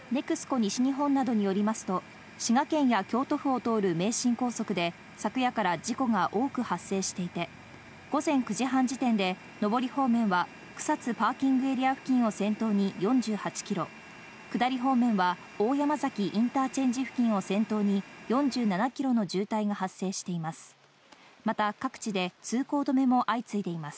西日本などによりますと、滋賀県や京都府を通る名神高速で、昨夜から事故が多く発生していて、午前９時半時点で上り方面は草津パーキングエリア付近を先頭に４８キロ、下り方面は大山崎インターチェンジ付近を先頭に４７キロの渋滞が発生しています。